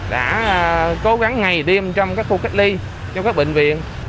đã cố gắng ngày đêm trong các khu cách ly trong các bệnh viện